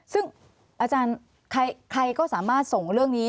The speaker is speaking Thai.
ซึ่งอาจารย์ใครก็สามารถส่งเรื่องนี้